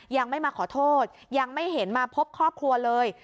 ยังไม่มาขอโทษยังไม่เห็นมาพบครอบครัวเลย